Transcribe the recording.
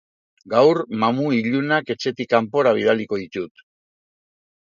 Gaur mamu ilunak etxetik kanpora bidaliko ditut.